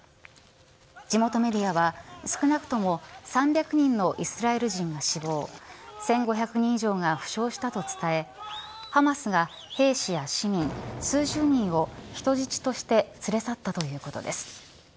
地元メディアは、少なくとも３００人のイスラエル人が死亡１５００人以上が負傷したと伝え、ハマスが兵士や市民、数十人を人質として連れ去ったということです。